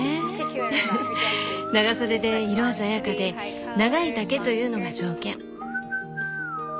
長袖で色鮮やかで長い丈というのが条件。